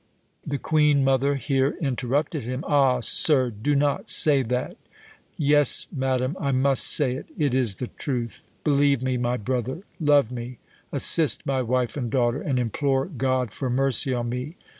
"The queen mother here interrupted him, 'Ah, sir, do not say that!' 'Yes, madam, I must say it; it is the truth. Believe me, my brother; love me; assist my wife and daughter, and implore God for mercy on me.